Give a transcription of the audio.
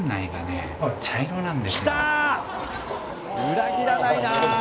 裏切らないなぁ。